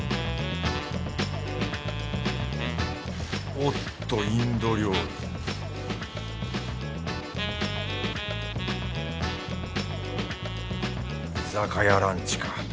おっとインド料理居酒屋ランチか。